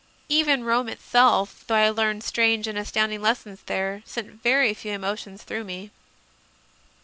Even Rome itself, though I learned strange and astounding lessons there, sent very few emotions through me.